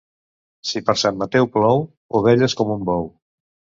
Si per Sant Mateu plou, ovelles com un bou.